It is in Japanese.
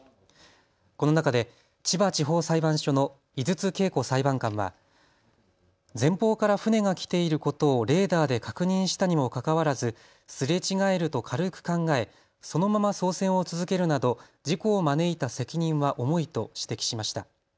この中で千葉地方裁判所の井筒径子裁判官は前方から船が来ていることをレーダーで確認したにもかかわらず、すれ違えると軽く考え、そのまま操船を続けるなど事故を招いた責任は重いと指摘しました。